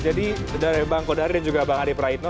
jadi dari bang kodari dan juga bang adi praditno